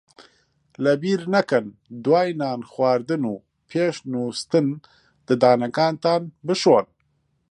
لەبیر نەکەن دوای نان خواردن و پێش نووستن ددانەکانتان بشۆن.